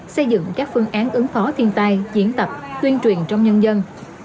xây dựng các phương án ứng phó thiên tai diễn tập tuyên truyền trong nhân dân